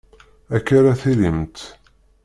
Akka ara tillimt.